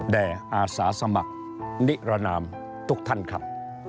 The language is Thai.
อาสาสมัครนิรนามทุกท่านครับ